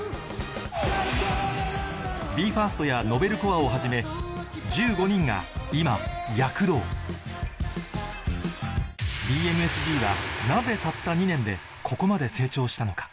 ＢＥ：ＦＩＲＳＴ や ＮｏｖｅｌＣｏｒｅ をはじめ１５人が今躍動 ＢＭＳＧ はなぜたった２年でここまで成長したのか